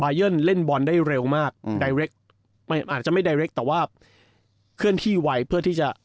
บายเยิ้ลเล่นบอลได้เร็วมากอืมอาจจะไม่แต่ว่าเคลื่อนที่ไวเพื่อที่จะ